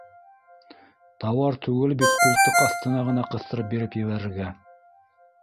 — Тауар түгел бит ҡултыҡ аҫтына ғына ҡыҫтырып биреп ебәрергә